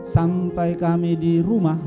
sampai kami di rumah